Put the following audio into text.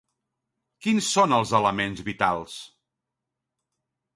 Quins són els elements vitals?